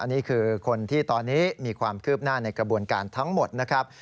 นี่คือคนที่ตอนนี้มีความคืบหน้าในกระบวนการทั้งหมดนะครับ